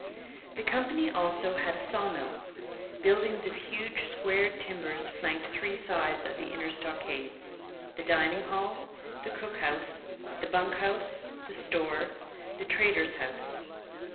The company also had a saw mill. Buildings of huge, squared timbers flanked three sides of the inner stockades the dining hall, the cook house, the bunk house, the store, the trader's house.